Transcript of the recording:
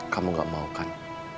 kamu gak mau kan